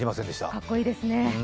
かっこいいですね。